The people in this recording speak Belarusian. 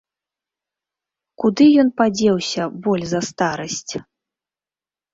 Куды ён падзеўся, боль за старасць?